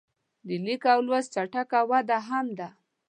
د لیک او لوست چټکه وده هم ده.